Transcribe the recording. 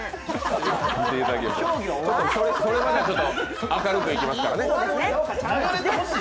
それまでは明るくいきますからね。